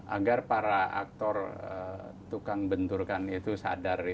agar para aktor tukang benturkan itu sadar